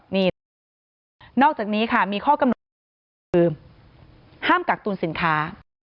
นอกจากนี้ค่ะมีข้อกำหนดคือห้ามกักตุลสินค้า